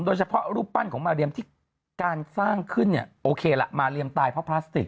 รูปปั้นของมาเรียมที่การสร้างขึ้นเนี่ยโอเคล่ะมาเรียมตายเพราะพลาสติก